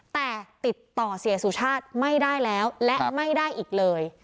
แต่ติดต่อเสียสุชาติไม่ได้แล้วและไม่ได้อีกเลย